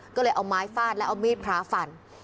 ก็เลยเอาไม้ฟาดแล้วเอามีดพระฟัน